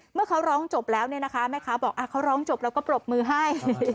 เมื่อเขาร้องจบแล้วเนี่ยนะคะแม่ค้าบอกเขาร้องจบแล้วก็ปรบมือให้